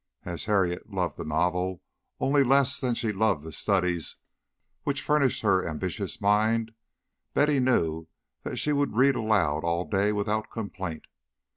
As Harriet loved the novel only less than she loved the studies which furnished her ambitious mind, Betty knew that she would read aloud all day without complaint.